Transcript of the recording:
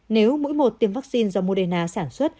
nếu mũi một tiêm vaccine do moderna sản xuất